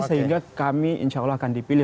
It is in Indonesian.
sehingga kami insya allah akan dipilih